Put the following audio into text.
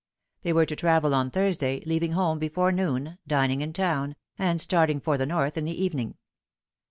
They were to travel on Thursday, leaving home before noon, dining in town, and starting for the North in the evening.